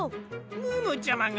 ムームーちゃまが？